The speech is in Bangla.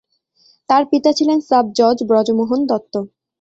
তার পিতা ছিলেন সাব-জজ ব্রজমোহন দত্ত।